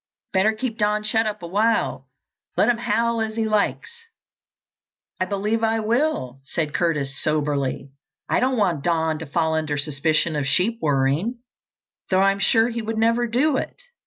Better keep Don shut up awhile, let him howl as he likes." "I believe I will," said Curtis soberly. "I don't want Don to fall under suspicion of sheep worrying, though I'm sure he would never do it.